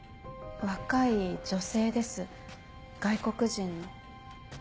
若い女性です外国人の。